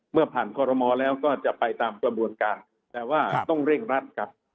เมื่อผ่านคอรมอแล้วก็จะไปตามกระบวนการแต่ว่าต้องเร่งรัดครับ